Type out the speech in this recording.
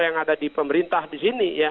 yang ada di pemerintah disini